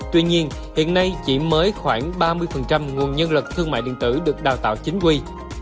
tuy nhiên hiện nay chỉ mới khoảng ba mươi nguồn nhân lực thương mại điện tử được đào tạo chính quy